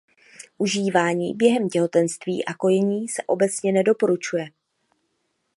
Užívání během těhotenství a kojení se obecně nedoporučuje.